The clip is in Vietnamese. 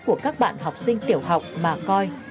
của các bạn học sinh tiểu học mà coi